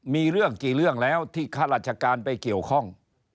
มีเรื่องกี่เรื่องแล้วที่ข้าราชการไปเกี่ยวข้อง